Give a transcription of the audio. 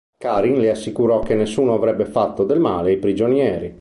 Karin le assicurò che nessuno avrebbe fatto del male ai prigionieri.